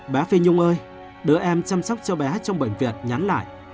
bé phi nhung ơi đứa em chăm sóc cho bé trong bệnh viện nhắn lại